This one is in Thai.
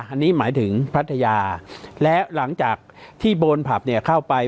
อันนี้หมายถึงพัทยาและหลังจากที่โบนผับเนี่ยเข้าไป